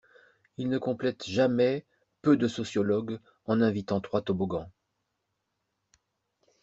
Il ne complète jamais peu de sociologues en invitant trois toboggans.